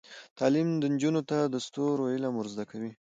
تعلیم نجونو ته د ستورو علم ور زده کوي.